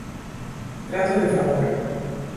Trato de favor